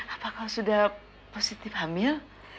apa kau sudah positif hamil